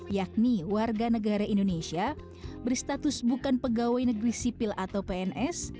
yakni warga negara indonesia berstatus bukan pegawai negeri sipil atau pns